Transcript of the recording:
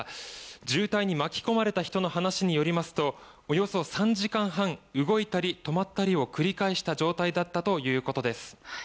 渋滞に巻き込まれた人の話によりますとおよそ３時間半動いたり止まったりを繰り返した状態だったということです。